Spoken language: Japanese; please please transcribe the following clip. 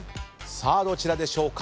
さあどちらでしょうか？